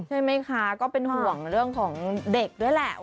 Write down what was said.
ใช่ไหมคะก็เป็นห่วงเรื่องของเด็กด้วยแหละ